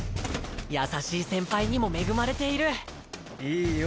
優しい先輩にも恵まれているいいよ